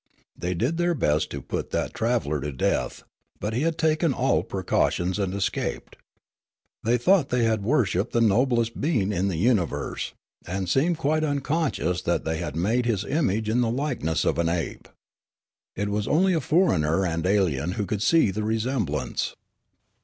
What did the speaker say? They did their best to put that traveller to death ; but he had taken all precautions and escaped. They thought that they worshipped the noblest being in the universe, and seemed quite unconscious that they had Witlingcn and Adjacent Islands 259 made his image in the likeness of an ape. It was only a foreigner and alien who could see the resemblance.